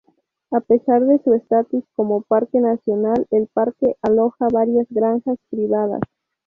A pesar de su estatus como parque nacional, el parque aloja varias granjas privadas.